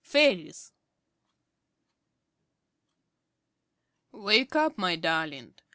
FAIRIES "WAKE up, me darlint.